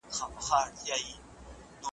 د ځناورو له خاندان دی `